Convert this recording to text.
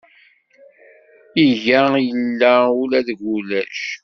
Iga illa ula deg ulac.